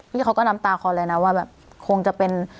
พี่เขาก็น้ำตาคอเลยนะว่าแบบคงจะเป็น